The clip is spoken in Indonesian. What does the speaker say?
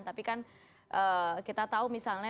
tapi kan kita tahu misalnya